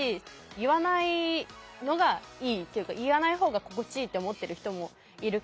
言わないのがいいっていうか言わない方が心地いいって思ってる人もいるから。